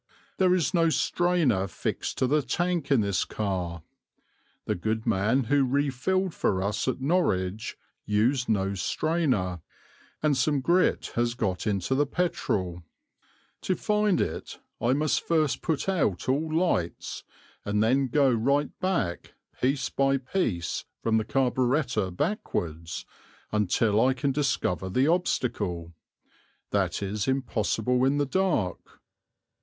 There is no strainer fixed to the tank in this car; the good man who refilled for us at Norwich used no strainer; and some grit has got into the petrol. To find it I must first put out all lights and then go right back, piece by piece, from the carburettor backwards, until I can discover the obstacle. That is impossible in the dark.